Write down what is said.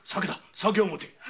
酒を持て。